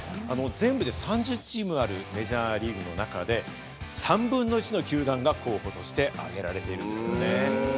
全部で３０チームあるメジャーリーグで３分の１の球団が候補として挙げられているんですね。